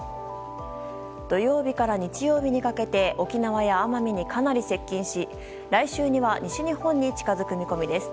土曜日から日曜日にかけて沖縄や奄美にかなり接近し来週には西日本に近づく見込みです。